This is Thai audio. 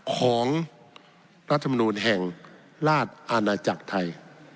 ของรัฐมนุญแห่งราชอาณาจรรย์